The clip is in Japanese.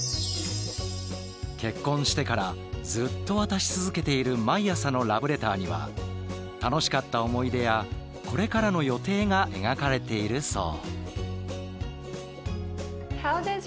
結婚してからずっと渡し続けている毎朝のラブレターには楽しかった思い出やこれからの予定が描かれているそう。